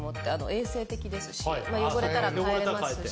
衛生的ですし汚れたら替えれますし。